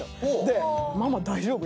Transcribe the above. ママ大丈夫？